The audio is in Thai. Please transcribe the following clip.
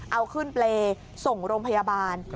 เอาขึ้นเปรย์ส่งโรงพยาบาล